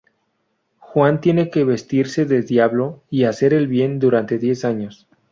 Juan tiene que vestirse de diablo y hacer el bien durante diez años.